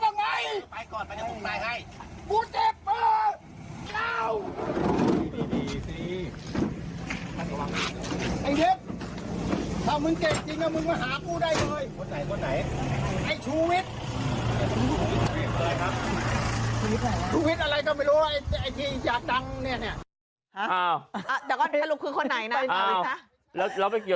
ว่าไอ้ที่ถืออยากดังคือ